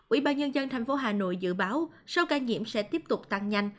ủy ban nhân dân thành phố hà nội dự báo số ca nhiễm sẽ tiếp tục tăng nhanh